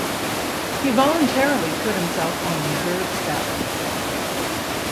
He voluntarily put himself on reserve status.